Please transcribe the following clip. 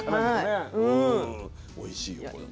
おいしいよ。